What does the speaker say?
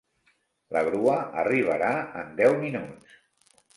La grua arribarà en deu minuts.